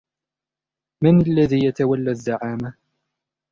من الذي يتولى الزعامة ؟